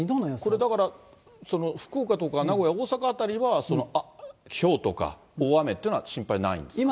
これ、だから福岡とか名古屋、大阪辺りはひょうとか、大雨っていうのは心配ないんですか？